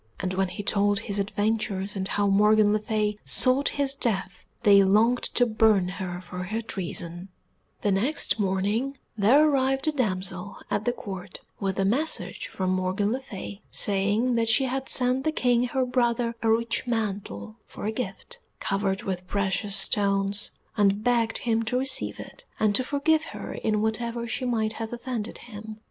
And when he told his adventures and how Morgan le Fay sought his death they longed to burn her for her treason. [Illustration: MORGAN LE FAY CASTS AWAY THE SCABBARD] The next morning there arrived a damsel at the Court with a message from Morgan le Fay, saying that she had sent the King her brother a rich mantle for a gift, covered with precious stones, and begged him to receive it and to forgive her in whatever she might have offended him.